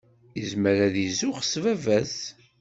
Yezmer ad izuxx s baba-s.